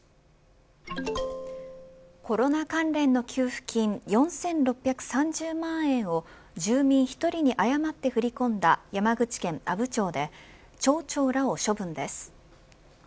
コロナ関連の給付金４６３０万円を住民１人に誤って振り込んだ山口県阿武町で町長らを処分です。